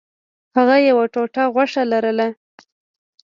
هغه یوه ټوټه غوښه لرله.